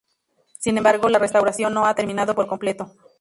Sin embargo, la restauración no ha terminado por completo.